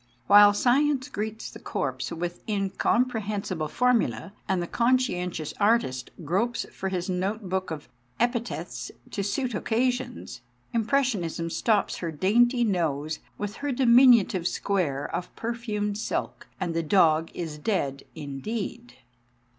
While science greets the corpse with incomprehensible formulae and the con scientious artist gropes for his note book of epithets to suit occasions, impressionism stops her dainty nose with her diminutive square of perfumed silk, and the dog is dead indeed.